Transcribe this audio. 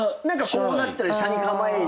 こうなったり斜に構えた。